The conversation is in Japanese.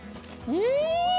うん！